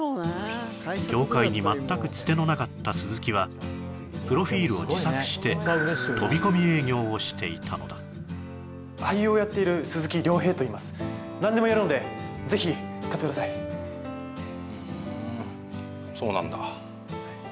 業界に全くツテのなかった鈴木はプロフィールを自作して飛び込み営業をしていたのだ俳優をやっている鈴木亮平といいます何でもやるんでぜひ使ってくださいそうなんだ